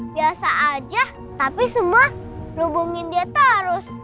biasa aja tapi semua hubungin dia terus